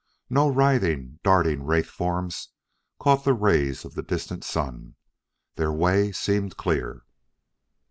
No writhing, darting wraith forms caught the rays of the distant sun. Their way seemed clear.